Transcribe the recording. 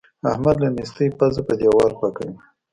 احمد له نېستۍ پزه په دېوال پاکوي.